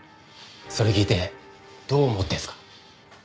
それ聞いてどう思ってるんすか？